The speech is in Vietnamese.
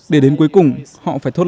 để đến cuối cùng họ phải thốt lên